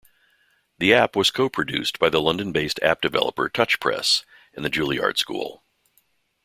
The app was co-produced by the London-based app developer Touchpress and The Juilliard School.